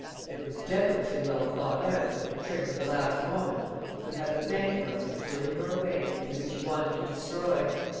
It was devilishly well thought out, your trick of the last moment. You had the bank notes which were in your way and which you wanted to destroy.